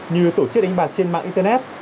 như tổ chức đánh bạc trên mạng internet